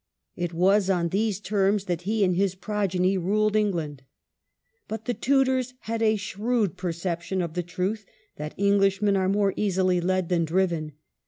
It was on these terms that he and his progeny ruled Eng land. But the Tudors had a shrewd perception of the truth that Englishmen are more easily led than driven.